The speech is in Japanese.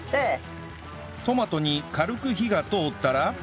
トマトに軽く火が通ったら